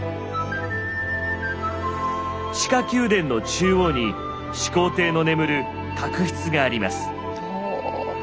地下宮殿の中央に始皇帝の眠る槨室があります。